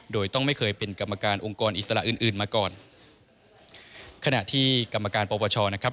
โดยต้องไม่เคยเป็นกรรมการองค์กรอิสระอื่นอื่นมาก่อนขณะที่กรรมการปปชนะครับ